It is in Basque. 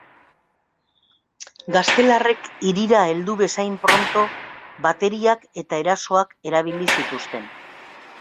Gaztelarrek hirira heldu bezain pronto bateriak eta erasoak erabili zituzten.